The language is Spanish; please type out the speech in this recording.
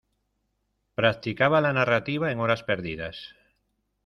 Practicaba la narrativa en horas perdidas.